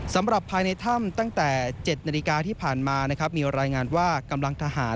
สำหรับภายในถ้ำตั้งแต่๗นาฬิกาที่ผ่านมานะครับมีรายงานว่ากำลังทหาร